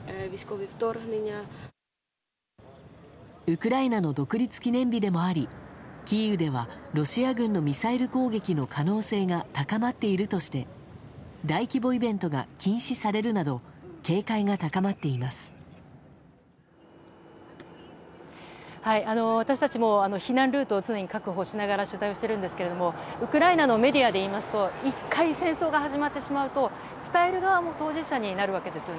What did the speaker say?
ウクライナの独立記念日でもありキーウではロシア軍のミサイル攻撃の可能性が高まっているとして大規模イベントが禁止されるなど私たちも避難ルートを常に確保しながら取材をしているんですけどウクライナのメディアでいいますと１回戦争が始まってしまうと伝える側も当事者になるわけです。